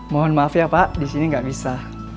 mohon maaf ya pak disini gak bisa